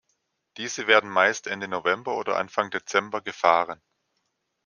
Diese werden meist Ende November oder Anfang Dezember gefahren.